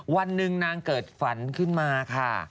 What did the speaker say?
วันหนึ่งนางเกิดฝันขึ้นมาค่ะ